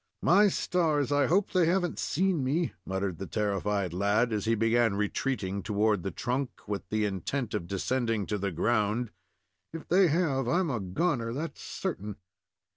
"My stars! I hope they have n't seen me," muttered the terrified lad, as he began retreating toward the trunk, with the intent of descending to the ground. "If they have, I'm a goner, that's certain."